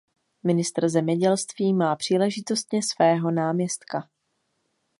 Ministr zemědělství má příležitostně svého náměstka.